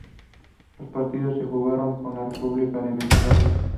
Los partidos se jugaron en República de Macedonia.